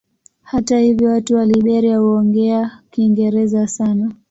Hata hivyo watu wa Liberia huongea Kiingereza sana.